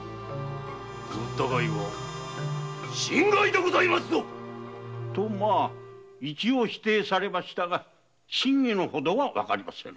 お疑いは心外でございますぞ！と一応否定されましたが真偽のほどは判りませぬ。